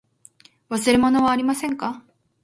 忘れ物はありませんか。